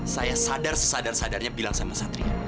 saya sadar sesadar sadarnya bilang sama satria